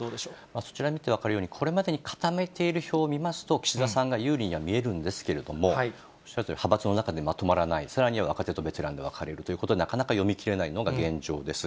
こちらを見て分かるとおり、これまでに固めている票を見ますと、岸田さんが有利には見えるんですけれども、派閥の中でまとまらない、さらには若手とベテランで分かれるということで、なかなか読み切れないのが現状です。